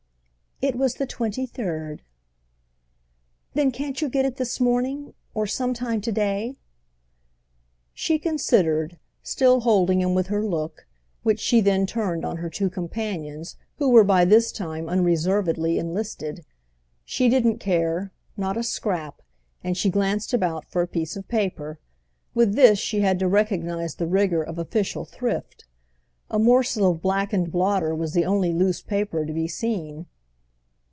"It was the 23rd." "Then can't you get it this morning—or some time to day?" She considered, still holding him with her look, which she then turned on her two companions, who were by this time unreservedly enlisted. She didn't care—not a scrap, and she glanced about for a piece of paper. With this she had to recognise the rigour of official thrift—a morsel of blackened blotter was the only loose paper to be seen.